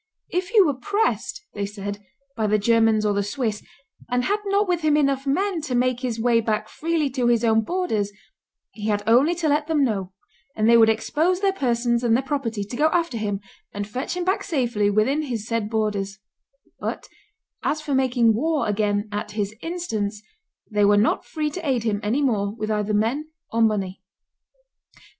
"If he were pressed," they said, "by the Germans or the Swiss, and had not with him enough men to make his way back freely to his own borders, he had only to let them know, and they would expose their persons and their property to go after him and fetch him back safely within his said borders, but as for making war again at his instance, they were not free to aid him any more with either men or money."